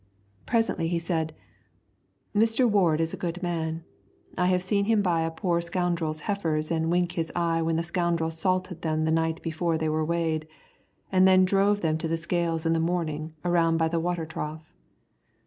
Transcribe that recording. Presently he said, "Mr. Ward is a good man. I have seen him buy a poor scoundrel's heifers and wink his eye when the scoundrel salted them the night before they were weighed, and then drove them to the scales in the morning around by the water trough."